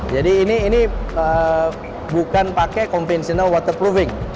jadi ini bukan pakai conventional waterproofing